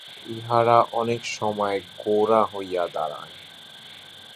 ইহারা অনেক সময় গোঁড়া হইয়া দাঁড়ায়।